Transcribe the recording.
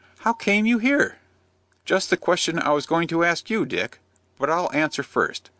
"How came you here?" "Just the question I was going to ask you, Dick. But I'll answer first.